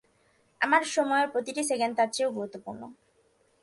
আমার সময়ের প্রতিটি সেকেন্ড তার চেয়েও গুরুত্বপূর্ণ।